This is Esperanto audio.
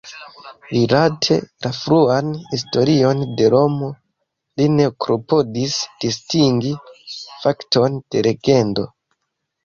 Rilate la fruan historion de Romo, li ne klopodis distingi fakton de legendo.